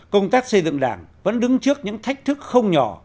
công tác xây dựng đảng vẫn đứng trước những thách thức không nhỏ